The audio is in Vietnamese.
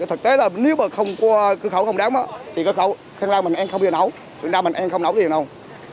thực tế là nếu mà không có cơ khẩu không đáng thì cơ khẩu thanh long mình em không biết nấu thật ra mình em không nấu gì đâu